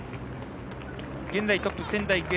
現在、トップは仙台育英。